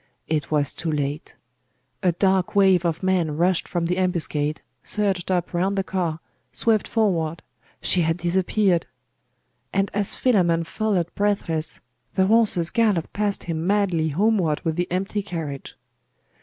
It was too late! A dark wave of men rushed from the ambuscade, surged up round the car.... swept forward.... she had disappeared! and as Philammon followed breathless, the horses galloped past him madly homeward with the empty carriage.